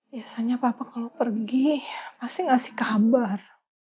biasanya papa kalau pergi pasti ngasih kabar